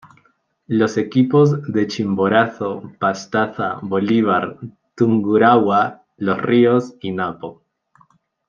Los equipos de Chimborazo, Pastaza, Bolívar, Tungurahua, Los Ríos y Napo.